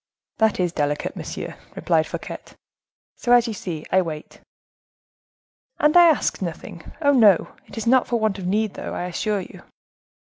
"That is delicate, monsieur," replied Fouquet; "so, as you see, I wait." "And I ask nothing, oh! no,—it is not for want of need, though, I assure you."